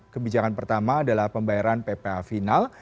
kebijakan pertama adalah pembayaran ppa final